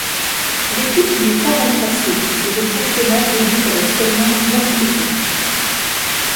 L'équipe n'est pas remplacée et le championnat débute avec seulement neuf équipes.